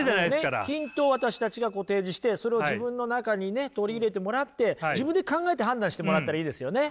ヒントを私たちが提示してそれを自分の中にね取り入れてもらって自分で考えて判断してもらったらいいですよね。